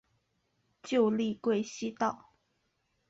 旧隶贵西道。